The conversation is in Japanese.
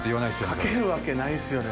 かけるわけないですよね。